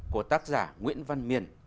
của tác giả nguyễn văn miền